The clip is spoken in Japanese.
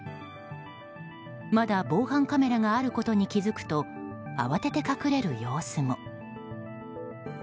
まだ防犯カメラがあることに気付くと慌てて隠れる様子も。